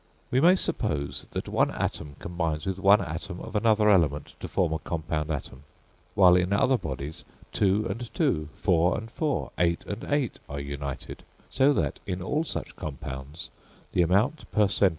We may suppose that one atom combines with one atom of another element to form a compound atom, while in other bodies two and two, four and four, eight and eight, are united; so that in all such compounds the amount per cent.